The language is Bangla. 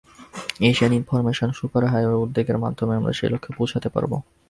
এশিয়ান ইনফরমেশন সুপার হাইওয়ে উদ্যোগের মাধ্যমে আমরা সে লক্ষ্যে পৌঁছাতে পারব।